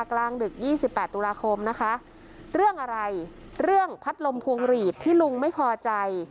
กลางดึกยี่สิบแปดตุลาคมนะคะเรื่องอะไรเรื่องพัดลมพวงหลีดที่ลุงไม่พอใจ